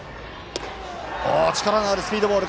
力のあるスピードボール。